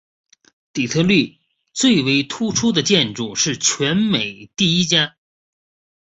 底特律最为突出的建筑是全美第一家。